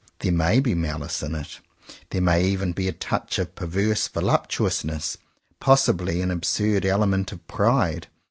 There may be malice in it. There may even be a touch of perverse voluptuousness; possibly an absurd element of pride.